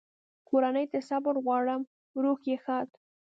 کورنۍ ته یې صبر غواړم، روح یې ښاد.